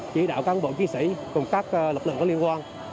chỉ đạo các bộ kinh sĩ cùng các lực lượng có liên quan